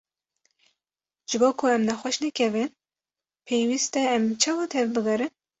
Ji bo ku em nexweş nekevin, pêwîst e em çawa tev bigerin?